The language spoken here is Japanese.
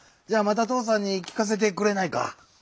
じゃあまたとうさんにきかせてくれないか？